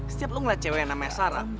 setiap lu ngeliat cewek namanya sarah